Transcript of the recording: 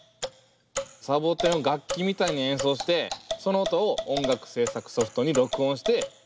サボテンを楽器みたいに演奏してその音を音楽制作ソフトに録音して曲を作ってるんです。